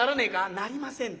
「なりませんって。